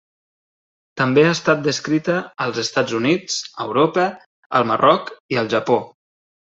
També ha estat descrita als Estats Units, a Europa, al Marroc i al Japó.